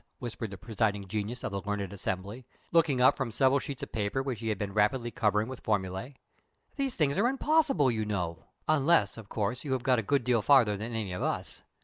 whispered the presiding genius of the learned assembly, looking up from several sheets of paper which he had been rapidly covering with formulæ. "These things are impossible, you know unless, of course, you have got a good deal farther than any of us.